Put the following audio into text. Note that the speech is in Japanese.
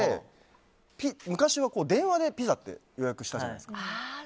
昔は電話でピザって予約したじゃないですか。